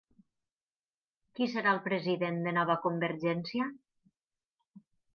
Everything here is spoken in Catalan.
Qui serà el president de Nova Convergència?